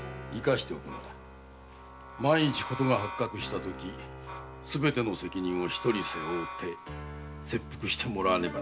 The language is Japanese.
万一ことが発覚したときすべての責任を一人背負って切腹してもらわねばならぬ。